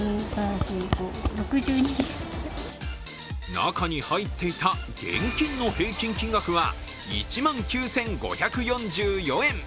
中に入っていた現金の平均金額は１万９５４４円。